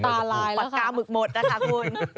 ลายปากกาหมึกหมดนะคะคุณ